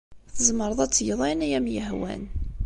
Tzemreḍ ad tgeḍ ayen ay am-yehwan.